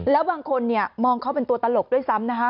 แล้วบางคนเนี่ยมองเขาเป็นตัวตลกด้วยซ้ำนะคะ